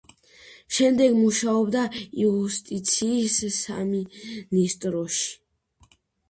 შემდეგ მუშაობდა იუსტიციის სამინისტროში.